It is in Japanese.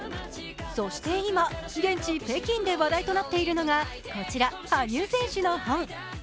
そして今、現地・北京で話題となっているのがこちら羽生選手の本。